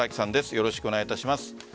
よろしくお願いします。